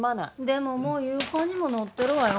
でももう夕刊にも載ってるわよ。